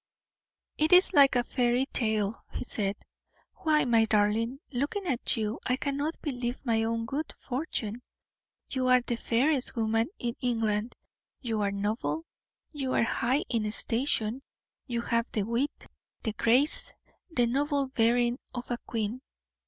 "It is like a fairy tale," he said. "Why, my darling, looking at you I cannot believe my own good fortune; you are the fairest woman in England; you are noble, you are high in station; you have the wit, the grace, the noble bearing of a queen.